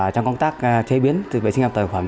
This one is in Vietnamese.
trong công tác chế biến từ vệ sinh an toàn thực phẩm